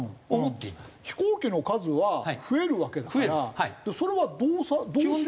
飛行機の数は増えるわけだからそれはどうしようと。